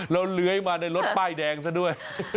แล้วเลื้อยมาในรถป้ายแดงซะด้วย